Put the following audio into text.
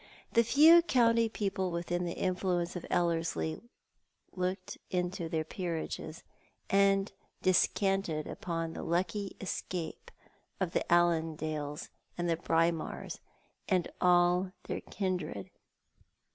The few county people within the influence of Ellerslie looked into their peerages, and descanted upon the lucky escape of the Allandales and Braemars, and all their kindred.